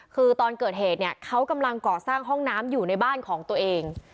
คือตอนเกิดเหตุเนี่ยเขากำลังก่อสร้างห้องน้ำอยู่ในบ้านของตัวเอง